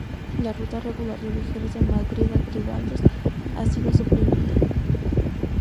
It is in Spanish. La ruta regular de viajeros de Madrid a Tribaldos ha sido suprimida.